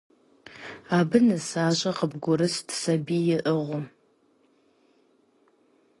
Абы нысащӏэ къыбгъурыст сабий иӏыгъыу.